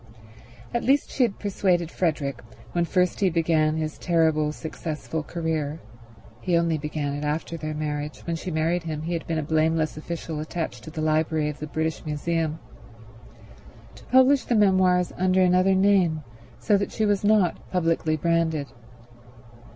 At least she had persuaded Frederick, when first he began his terrible successful career—he only began it after their marriage; when she married him he had been a blameless official attached to the library of the British Museum—to publish the memoirs under another name, so that she was not publicly branded.